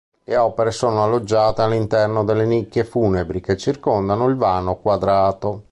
Le opere sono alloggiate all'interno delle nicchie funebri che circondano il vano quadrato.